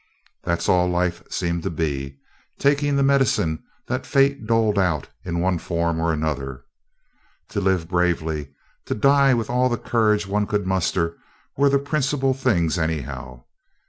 That's all life seemed to be taking the medicine the Fates doled out in one form or another. To live bravely, to die with all the courage one could muster, were the principal things anyhow.